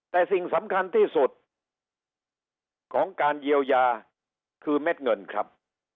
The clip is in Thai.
แต่สิ่งสำคัญที่สุดของการเยียวยาคือเม็ดเงินครับ